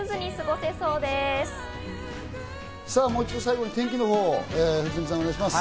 もう一度、最後に天気を藤富さん、お願いします。